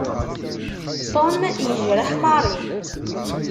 Tom yejreḥ Mary.